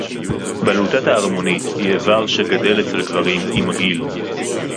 בלוטת הערמונית היא איבר שגדל אצל גברים עם הגיל